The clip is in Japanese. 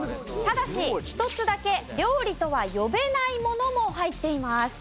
ただし１つだけ料理とは呼べないものも入っています。